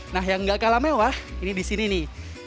nah yang gak kalah mewah ini di sini nih